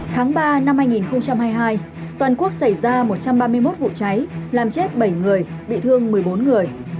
tháng ba năm hai nghìn hai mươi hai toàn quốc xảy ra một trăm ba mươi một vụ cháy làm chết bảy người bị thương một mươi bốn người